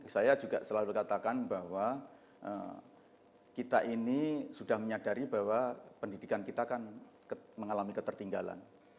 saya juga selalu katakan bahwa kita ini sudah menyadari bahwa pendidikan kita kan mengalami ketertinggalan